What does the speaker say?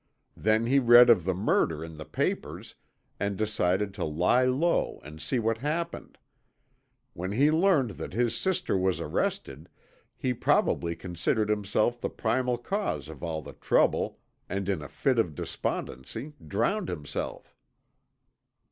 Then he read of the murder in the papers and decided to lie low and see what happened. When he learned that his sister was arrested, he probably considered himself the primal cause of all the trouble and in a fit of despondency drowned himself."